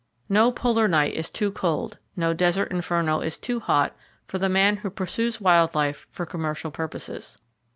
No polar night is too cold, no desert inferno is too hot for the man who pursues wild life for commercial purposes.